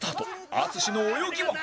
淳の泳ぎは？